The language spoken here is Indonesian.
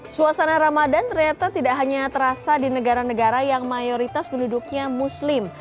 suasana ramadan ternyata tidak hanya terasa di negara negara yang mayoritas penduduknya muslim